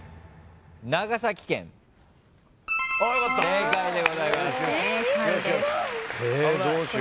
正解でございます。